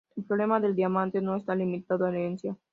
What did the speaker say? El problema del diamante no está limitado a herencia.